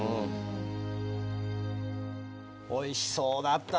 おいしそうだった。